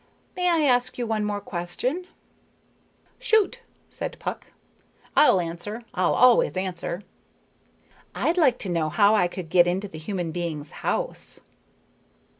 May I ask you one more question?" "Shoot," said Puck. "I'll answer, I'll always answer." "I'd like to know how I could get into a human being's house."